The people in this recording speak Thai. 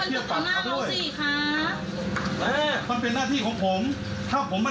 จะได้หาคนมาดูแลช้างตอนนี้แทนมัน